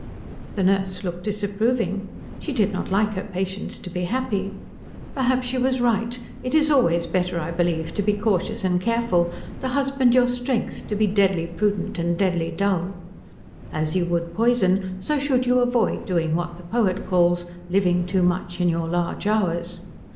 The nurse looked disapproving. She did not like her patients to be happy. Perhaps she was right. It is always better, I believe, to be cautious and careful, to husband your strength, to be deadly prudent and deadly dull. As you would poison, so should you avoid doing what the poet calls living too much in your large hours.